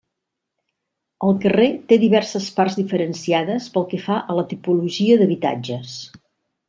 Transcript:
El carrer té diverses parts diferenciades pel que fa a la tipologia d'habitatges.